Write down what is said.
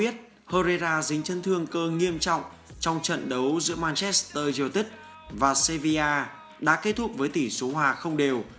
trận đấu giữa manchester united và sevilla đã kết thúc với tỷ số hòa không đều